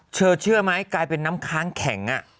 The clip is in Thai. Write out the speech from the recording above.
เชื่อไหมกลายเป็นน้ำค้างแข็ง